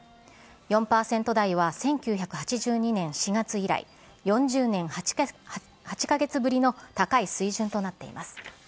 ４％台は１９８２年４月以来、４０年８か月ぶりの高い水準となっています。